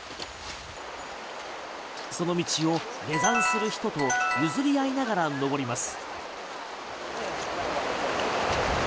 その道を下山する人と譲り合いながら登ります。